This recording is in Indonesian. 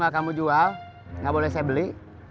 mau minta gak mau jual gak boleh saya beli